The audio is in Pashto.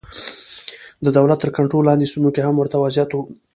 د دولت تر کنټرول لاندې سیمو کې هم ورته وضعیت و.